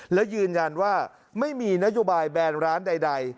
และยืนยันว่าไม่มีนโยบายแบนร้านใด